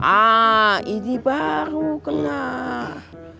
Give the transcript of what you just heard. ah ini baru kenang